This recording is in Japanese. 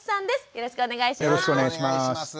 よろしくお願いします。